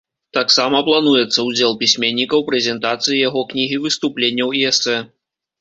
Таксама плануецца ўдзел пісьменніка ў прэзентацыі яго кнігі выступленняў і эсэ.